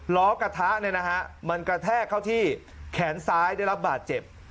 ล้อกระทะเนี่ยนะฮะมันกระแทกเข้าที่แขนซ้ายได้รับบาดเจ็บ